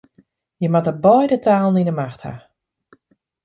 Je moatte beide talen yn 'e macht ha.